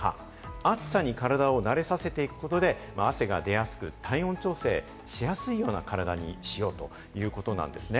暑さに体を慣れさせていくことで汗が出やすく体温調整しやすいような体にしようということなんですね。